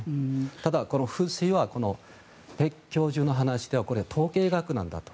ただ、風水はペク教授の話ではこれ、統計学なんだと。